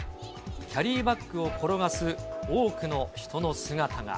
キャリーバッグを転がす多くの人の姿が。